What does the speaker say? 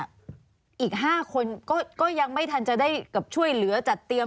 ถ้าฟังจากแม่เนี่ยอีก๕คนก็ยังไม่ทันจะได้กับช่วยเหลือจัดเตรียม